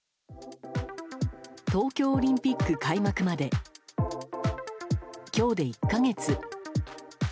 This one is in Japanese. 東京オリンピック開幕まで今日で１か月。